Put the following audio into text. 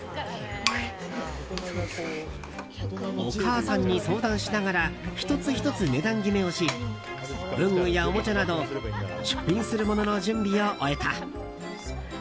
お母さんに相談しながら１つ１つ値段決めをし文具やおもちゃなど出品するものの準備を終えた。